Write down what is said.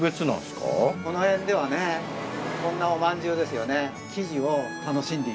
この辺ではねこんなおまんじゅうですよね。